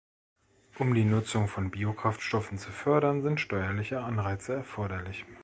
Um die Nutzung von Biokraftstoffen zu fördern, sind steuerliche Anreize erforderlich.